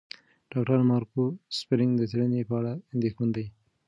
ډاکټر مارکو سپرینګ د څېړنې په اړه اندېښمن دی.